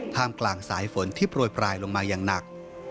กลางสายฝนที่โปรยปลายลงมาอย่างหนัก